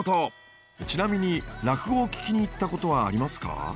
ちなみに落語を聞きに行ったことはありますか？